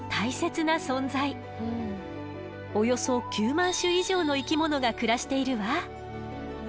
およそ９万種以上の生き物が暮らしているわ。